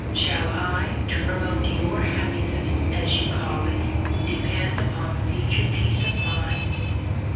Shall I, to promote your happiness, as you call it, depend upon future peace of mind?